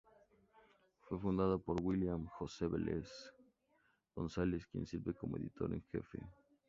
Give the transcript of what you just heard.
Fue fundada por William-Jose Velez Gonzalez quien sirve como editor en jefe.